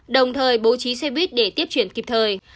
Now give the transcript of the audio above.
đồng thời bố trí xe buýt để tiếp chuyển kịp thời